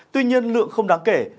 tuy nhiên lượng không đáng kể